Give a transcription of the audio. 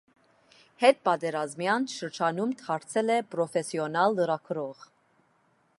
Հետպատերազմյան շրջանում դարձել է պրոֆեսիոնալ լրագրող։